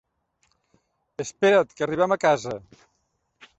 Espera't que arribem a casa.